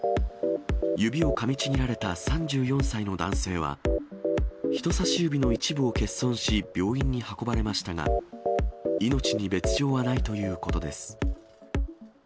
指をかみちぎられた３４歳の男性は、人さし指の一部を欠損し、病院に運ばれましたが、命に別状はないということです。